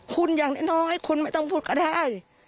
คุณอย่างน้อยคุณไม่ต้องพูดก็ได้